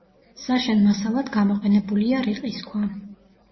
საშენ მასალად გამოყენებულია რიყის ქვა.